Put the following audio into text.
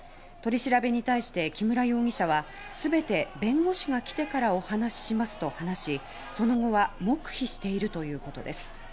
取り調べに対して木村容疑者は全て弁護士が来てからお話ししますと話しその後は黙秘しているということです。